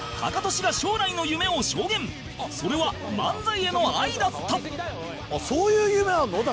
それは漫才への愛だった